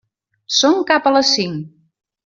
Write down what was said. Són cap a les cinc.